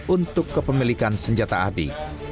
untuk kepemilikan senjata api